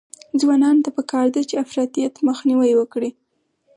ځوانانو ته پکار ده چې، افراطیت مخنیوی وکړي.